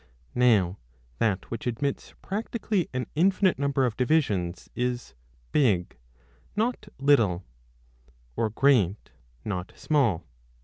Now that which admits practically an infinite number of divisions, is big not little (or great not small